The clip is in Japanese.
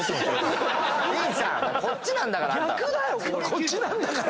「こっちなんだから」